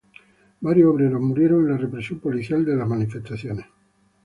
Varios obreros murieron en la represión policial de manifestaciones.